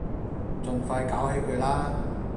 盡快搞起佢啦